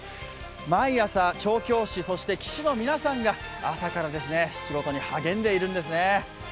毎朝、調教師、そして騎手の皆さんが朝から仕事に励んでいるんですね。